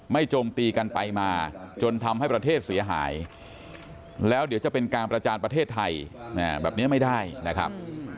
โจมตีกันไปมาจนทำให้ประเทศเสียหายแล้วเดี๋ยวจะเป็นการประจานประเทศไทยแบบนี้ไม่ได้นะครับ